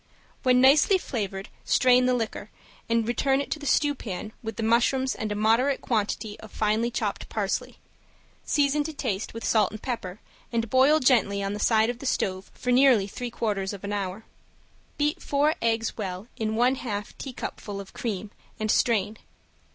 When nicely flavored strain the liquor, return it to the stewpan with the mushrooms and a moderate quantity of finely chopped parsley, season to taste with salt and pepper, and boil gently on the side of the stove for nearly three quarters of an hour. Beat four eggs well in one half teacupful of cream, and strain.